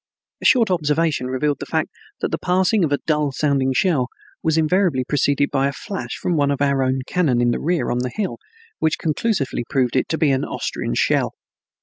A short observation revealed the fact that the passing of a dull sounding shell was invariably preceded by a flash from one of our own cannon in the rear on the hill, which conclusively proved it to be an Austrian shell.